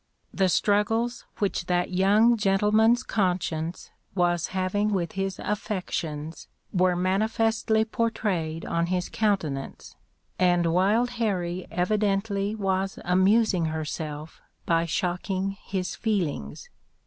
The struggles which that young gentleman's conscience was having with his affections were manifestly portrayed on his countenance, and Wild Harrie evidently was amusing herself by shocking his feelings.